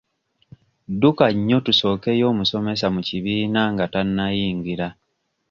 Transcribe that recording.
Dduka nnyo tusookeyo omusomesa mu kibiina nga tannayingira.